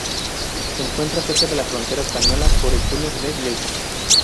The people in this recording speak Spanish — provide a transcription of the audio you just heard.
Se encuentra cerca de la frontera española por el túnel de Bielsa.